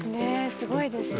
すごいですね。